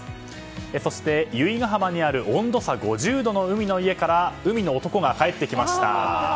そして、由比ガ浜にある温度差５０度の海の家から海の男が帰ってきました。